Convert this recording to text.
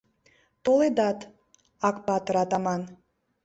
Толедат, Акпатыр-атаман.